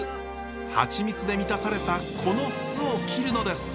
ハチミツで満たされたこの巣を切るのです。